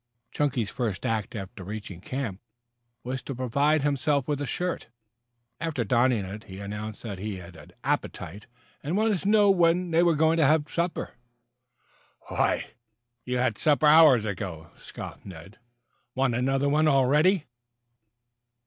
Chunky's first act after reaching camp, was to provide himself with a shirt. After donning it, he announced that he had an appetite and wanted to know when they were going to have supper. "Why, you had supper hours ago," scoffed Ned. "Want another one already?"